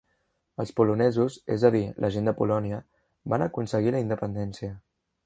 Els polonesos, és a dir la gent de Polònia, van aconseguir la independència.